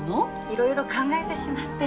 いろいろ考えてしまって。